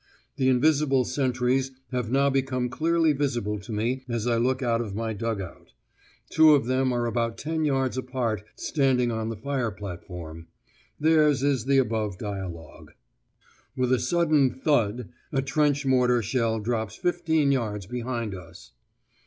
The invisible sentries have now become clearly visible to me as I look out of my dug out. Two of them are about ten yards apart standing on the fire platform. Theirs is the above dialogue. With a sudden thud, a trench mortar shell drops fifteen yards behind us.